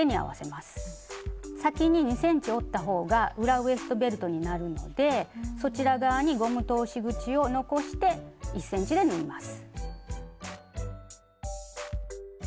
先に２ｃｍ折った方が裏ウエストベルトになるのでそちら側にゴム通し口を残して１ｃｍで縫います。